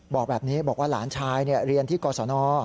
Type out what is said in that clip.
บอกแบบนี้บอกว่าหลานชายเรียนที่กศน